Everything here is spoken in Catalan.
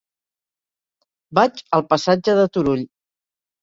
Vaig al passatge de Turull.